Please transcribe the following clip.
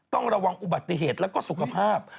ต้องระวังอุบัติเหตุแล้วก็สุขภาพ